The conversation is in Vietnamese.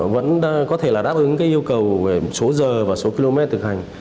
vẫn có thể là đáp ứng cái yêu cầu về số giờ và số km thực hành